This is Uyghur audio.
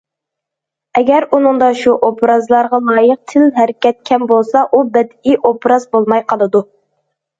ئەگەر ئۇنىڭدا شۇ ئوبرازلارغا لايىق تىل، ھەرىكەت كەم بولسا، ئۇ بەدىئىي ئوبراز بولماي قالىدۇ.